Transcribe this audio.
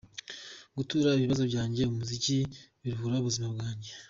Gutura ibibazo byanjye umuziki biruhura ubuzima bwanjye.